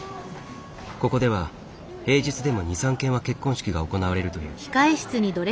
ここでは平日でも２３件は結婚式が行われるという。